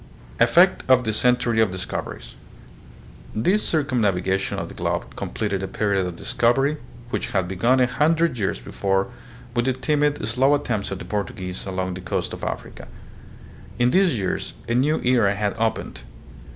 Effect of the Century of Discoveries. This circumnav igation of the globe completed a period of discovery, which had begun a hundred years before with the timid, slow attempts of the Portuguese along the coast of Africa. In these years a new era had opened.